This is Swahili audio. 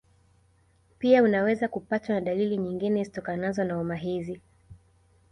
pia unaweza kupatwa na dalili nyingine zitokanazo na homa hizi